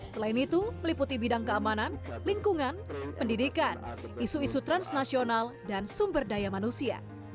selain itu meliputi bidang keamanan lingkungan pendidikan isu isu transnasional dan sumber daya manusia